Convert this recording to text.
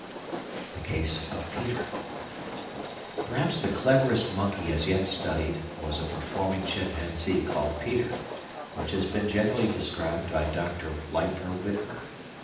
The Case of Peter Perhaps the cleverest monkey as yet studied was a performing chimpanzee called Peter, which has been generally described by Dr. Lightner Witmer.